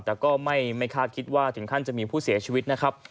แต่ก็ไม่คาดคิดว่าถึงขั้นจะมีผู้เสียชีวิตนะครับ